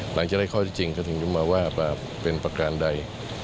หลังจากได้ข้อที่จริงก็ถึงจะมาว่าเป็นประการใด